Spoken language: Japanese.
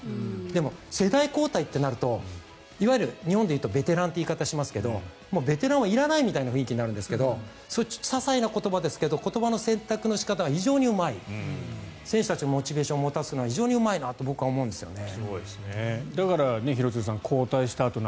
でも、世代交代となるといわゆる日本でいうとベテランという言い方をしますがベテランはいらないみたいな雰囲気になるんですがそれ、ささいな言葉ですが言葉の選択の仕方が非常にうまい選手たちのモチベーションを持たすのは非常にうまいなと僕は思うんですよね。